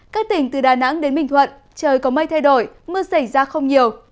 các tỉnh từ đà nẵng đến bình thuận trời có mây thay đổi mưa xảy ra không nhiều